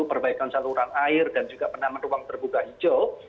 perbaikan saluran air dan juga penanaman ruang terbuka hijau